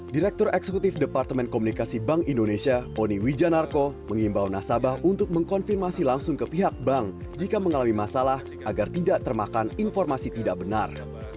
direktur eksekutif departemen komunikasi bank indonesia poni wijanarko mengimbau nasabah untuk mengkonfirmasi langsung ke pihak bank jika mengalami masalah agar tidak termakan informasi tidak benar